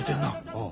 ああ。